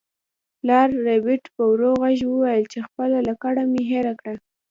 پلار ربیټ په ورو غږ وویل چې خپله لکړه مې هیره کړه